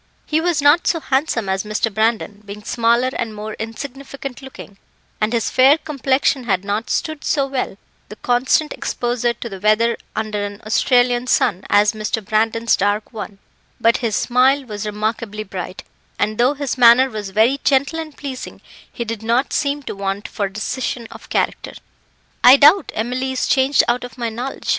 He was not so handsome as Mr. Brandon, being smaller and more insignificant looking, and his fair complexion had not stood so well the constant exposure to the weather under an Australian sun as Mr. Brandon's dark one, but his smile was remarkably bright, and though his manner was very gentle and pleasing, he did not seem to want for decision of character. "I doubt Emily is changed out of my knowledge.